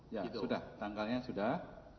ya sudah tanggalnya sudah